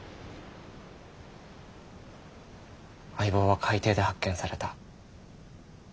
相棒は海底で発見された。